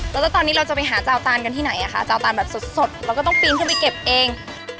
แล้วตอนนี้เราจะไปหาเจ้าตานกันที่ไหนคะเจ้าตานแบบสดเราก็ต้องปีนขึ้นไปเก็บเอง